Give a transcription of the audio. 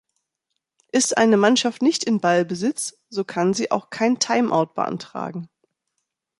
Ist eine Mannschaft nicht in Ballbesitz, so kann sie auch kein Timeout beantragen.